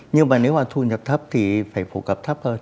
nhưng mà nếu mà thu nhập thấp thì phải phổ cập thấp hơn